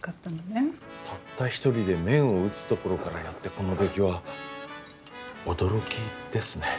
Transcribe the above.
たった一人で麺を打つところからやってこの出来は驚きですね。